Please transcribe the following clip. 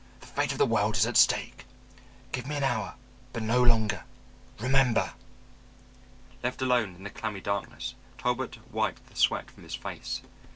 "The fate of the world is at stake. Give me an hour; but no longer remember!" Left alone in the clammy darkness Talbot wiped the sweat from his face.